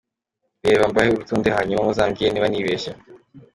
Reka mbahe urutonde, hanyuma muzambwire niba nibeshye.